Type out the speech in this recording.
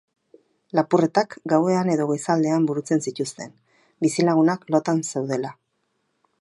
Lapurretak gauean edo goizaldean burutzen zituzten, bizilagunak lotan zeudela.